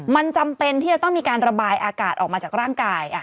มันจำเป็นที่จะต้องมีการระบายอากาศออกมาจากร่างกาย